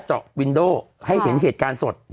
สิบเก้าชั่วโมงไปสิบเก้าชั่วโมงไปสิบเก้าชั่วโมงไป